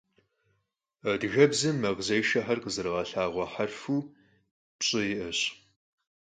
Adıgebzem makhzêşşexer khızerağelhağue herfu pş'ıre yi'eş.